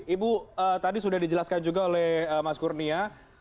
ibu tadi sudah dijelaskan juga oleh mas kurnia